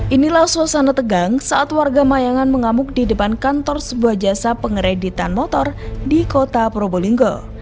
inilah suasana tegang saat warga mayangan mengamuk di depan kantor sebuah jasa pengereditan motor di kota probolinggo